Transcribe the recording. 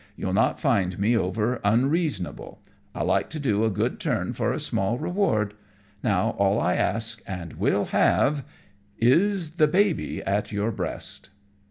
You'll not find me over unreasonable. I like to do a good turn for a small reward. Now all I ask, and will have, is the baby at your breast!"